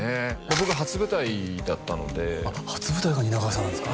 僕初舞台だったのであっ初舞台が蜷川さんなんですか？